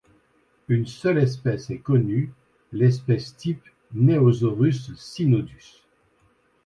Une seule espèce est connue, l'espèce type, Neosaurus cynodus.